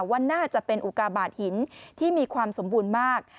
ว่าน่าจะเป็นอุกาบาทหินที่มีความสมบูรณ์มาก